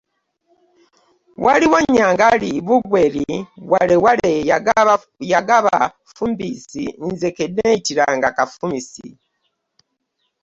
Waaliyo Nyangali, Bungweli, Walewale, Yagaba, Fumbisi nze ke nneeyitiranga Kafumisi.